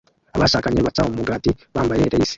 Abashakanye baca umugati bambaye leis